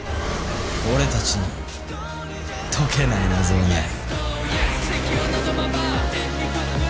俺たちに解けない謎はない。